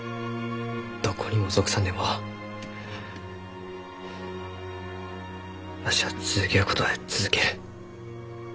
どこにも属さんでもわしは続けることは続ける。